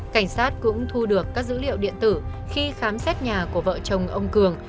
cảnh sát cũng thu được các dữ liệu điện tử khi khám xét nhà của vợ chồng ông cường